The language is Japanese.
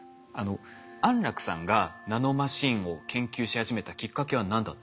安楽さんがナノマシンを研究し始めたきっかけは何だったんでしょうか？